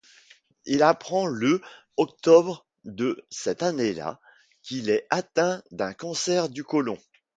Il apprend le octobre de cette année-là qu'il est atteint d'un cancer du colon.